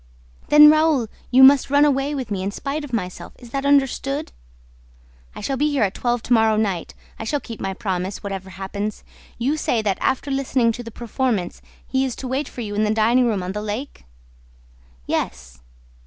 "Then, Raoul, you must run away with me in spite of myself; is that understood?" "I shall be here at twelve to morrow night; I shall keep my promise, whatever happens. You say that, after listening to the performance, he is to wait for you in the dining room on the lake?" "Yes."